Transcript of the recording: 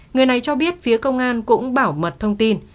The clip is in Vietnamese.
người này cho biết phía công an cũng bảo mật thông tin